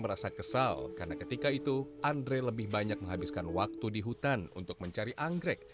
merasa kesal karena ketika itu andre lebih banyak menghabiskan waktu di hutan untuk mencari anggrek